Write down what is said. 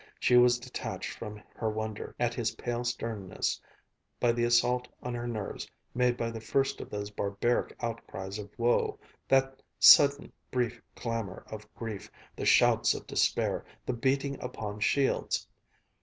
She was detached from her wonder at his pale sternness by the assault on her nerves made by the first of those barbaric outcries of woe, that sudden, brief clamor of grief, the shouts of despair, the beating upon shields.